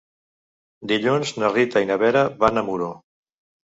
Dilluns na Rita i na Vera van a Muro.